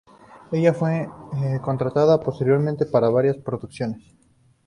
Ella fue contratada posteriormente para varias producciones.